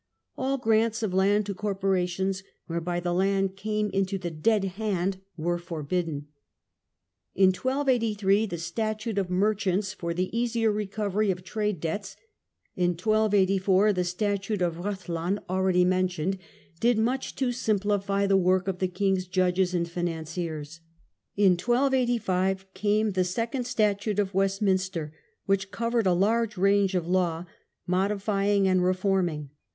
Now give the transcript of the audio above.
All grants of land to corporations, whereby the land came into the dead hand, were forbidden. In 1283 the Statute of Merchants, for the easier recovery of trade debts, in 1284 the Statute of Rhuddlan already mentioned, did much to simplify the work of the king's judges and financiers. In 1285 came the Second Statute of Westminster, which covered a large range of law, modifying and reforming.